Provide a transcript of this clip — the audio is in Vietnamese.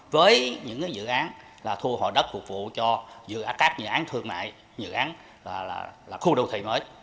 với những dự án thu hồi đất phục vụ cho các dự án thương mại dự án khu đô thị mới